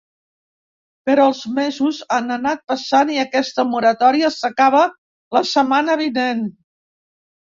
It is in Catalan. Però els mesos han anat passant i aquesta moratòria s’acaba la setmana vinent.